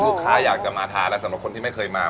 ลูกค้าอยากจะมาทานแล้วสำหรับคนที่ไม่เคยมา